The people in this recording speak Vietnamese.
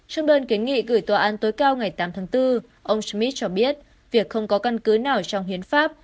trong đơn kiến nghị gửi tòa án tối cao ngày tám tháng bốn ông smith cho biết việc không có căn cứ nào trong hiến pháp